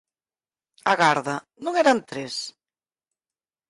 Agarda, non eran tres?